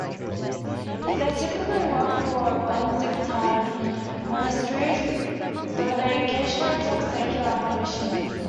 They typically worked for Benedictine monasteries, though they occasionally took secular commissions.